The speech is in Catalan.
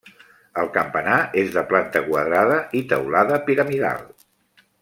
El campanar és de planta quadrada i teulada piramidal.